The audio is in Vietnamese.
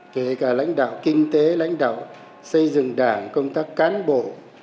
kể cả lãnh đạo kinh tế lãnh đạo xây dựng đảng công tác cán bộ